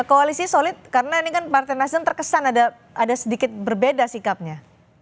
koalisi solid karena ini kan partai nasdem terkesan ada sedikit berbeda sikapnya